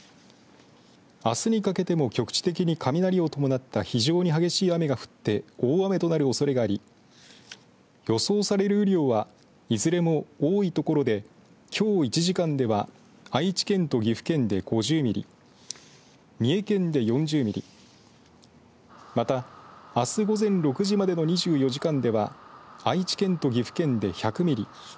あすにかけても局地的に雷を伴った非常に激しい雨が降って大雨となるおそれがあり予想される雨量はいずれも多い所できょう１時間では愛知県と岐阜県で５０ミリ三重県で４０ミリまた、あす午前６時までの２４時間では愛知県と岐阜県で１００ミリ